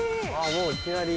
もういきなり。